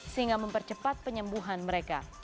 sehingga mempercepat penyembuhan mereka